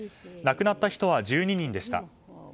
亡くなった人は１２人でした。